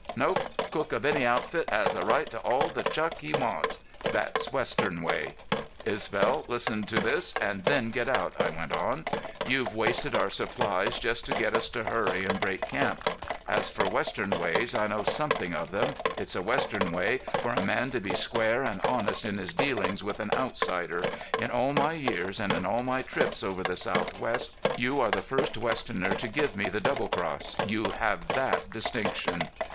"Nope. Cook of any outfit has a right to all the chuck he wants. That's western way." "Isbel, listen to this and then get out," I went on. "You've wasted our supplies just to get us to hurry and break camp. As for western ways I know something of them. It's a western way for a man to be square and honest in his dealings with an outsider. In all my years and in all my trips over the southwest you are the first westerner to give me the double cross. You have that distinction."